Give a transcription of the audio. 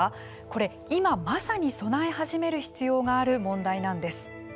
これ、今まさに備え始める必要がある問題なんです。